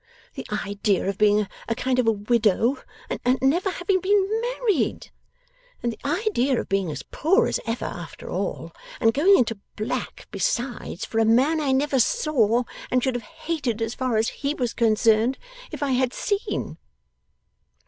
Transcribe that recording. The idea of being a kind of a widow, and never having been married! And the idea of being as poor as ever after all, and going into black, besides, for a man I never saw, and should have hated as far as HE was concerned if I had seen!